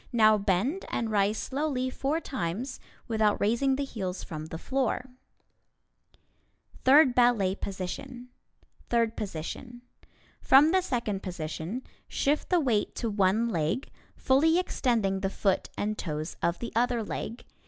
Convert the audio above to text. Now bend and rise slowly four times, without raising the heels from the floor. [Illustration: Third Ballet Position] Third Position: From the second position, shift the weight to one leg, fully extending the foot and toes of the other leg.